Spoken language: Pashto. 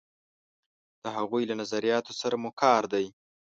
د هغوی له نظریاتو سره مو کار دی.